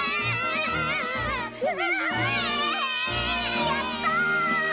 やった！